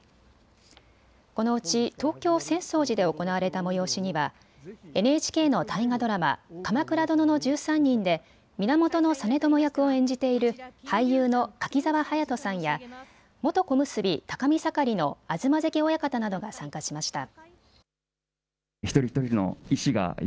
このうち東京、浅草寺で行われた催しにはＮＨＫの大河ドラマ、鎌倉殿の１３人で源実朝役を演じている俳優の柿澤勇人さんや元小結・高見盛の東関親方などが参加しました。